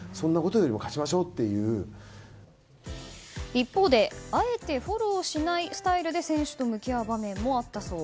一方で、あえてフォローしないスタイルで選手と向き合う場面もあったそう。